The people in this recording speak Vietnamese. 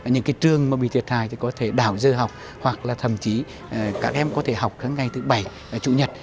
những trường mà bị thiệt hại thì có thể đào dơ học hoặc là thậm chí các em có thể học ngay từ bảy chủ nhật